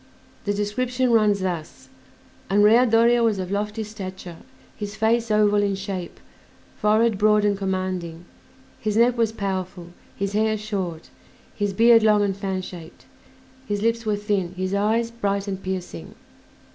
The description runs thus: "Andrea Doria was of lofty stature, his face oval in shape, forehead broad and commanding, his neck was powerful, his hair short, his beard long and fan shaped, his lips were thin, his eyes bright and piercing."